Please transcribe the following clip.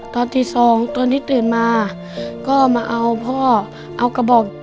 ตอนที่สองตอนที่ตื่นมาก็มาเอาพ่อเอากระบอก